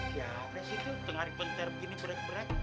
siapa sih tuh tengah ribetan begini berek berek